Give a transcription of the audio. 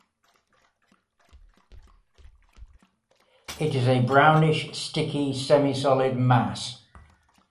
It is a brownish, sticky, semisolid mass.